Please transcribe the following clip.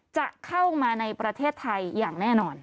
จะเข้ามาในประเทศไทยอย่างแน่นอน